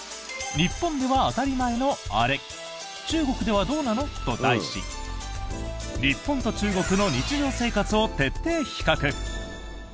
日本では当たり前のあれ中国ではどうなの？と題し日本と中国の日常生活を徹底比較。